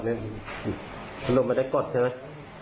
ไม่ต้องมากดใช่ไหม